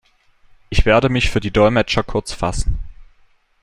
Ich werde mich für die Dolmetscher kurz fassen.